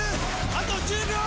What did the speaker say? あと１０秒！